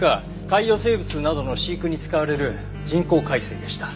海洋生物などの飼育に使われる人工海水でした。